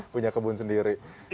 punya kebun sendiri